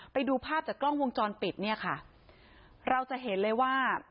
ไปดูภาพจากกล้องวงจรปิดเราจะเห็นเลยว่า